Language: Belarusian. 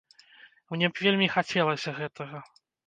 Мне б вельмі хацелася гэтага.